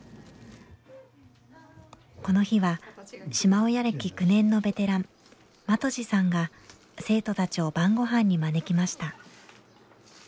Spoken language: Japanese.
この日は島親歴９年のベテラン的地さんが生徒たちを晩ごはんに招きました。